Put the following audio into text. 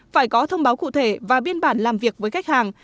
phải có thông báo cụ thể và biên bản làm việc với khách hàng